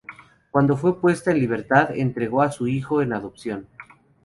Cuando fue puesta en libertad, entregó a su hijo en adopción.